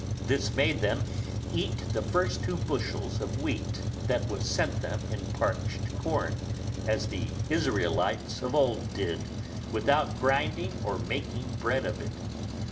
This made them eat the first two bushel of wheat that was sent them in parched corn, as the Israelites of old did, without grinding or making bread of it.